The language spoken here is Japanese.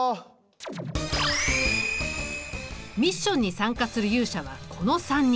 ミッションに参加する勇者はこの３人。